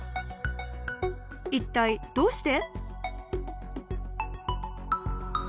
一体どうして？